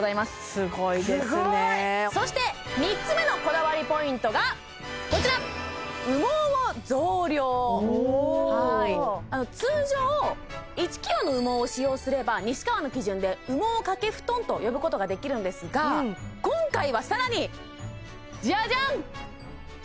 すごいそして３つ目のこだわりポイントがこちら通常１ｋｇの羽毛を使用すれば西川の基準で羽毛掛布団と呼ぶことができるんですが今回は更にじゃじゃん！